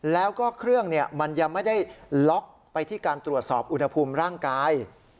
แล้วก็เครื่องมันยังไม่ได้ล็อกไปที่การตรวจสอบอุณหภูมิร่างกาย